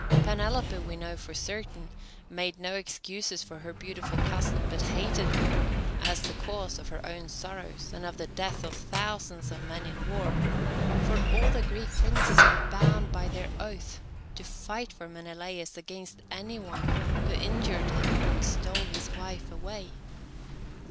Penelope, we know for certain, made no excuses for her beautiful cousin, but hated her as the cause of her own sorrows and of the deaths of thousands of men in war, for all the Greek princes were bound by their oath to fight for Menelaus against any one who injured him and stole his wife away.